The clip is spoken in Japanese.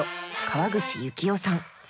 川口幸男さん